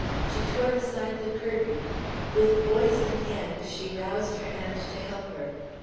She tore aside the curtain. With voice and hand she roused her aunt to help her.